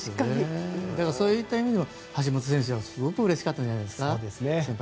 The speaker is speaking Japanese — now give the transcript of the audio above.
そういった意味でも橋本選手はすごくうれしかったんじゃないですか。